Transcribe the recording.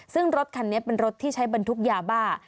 ซึ่งรถคันนี้เป็นรถที่ใช้บรรทุกยาบ้า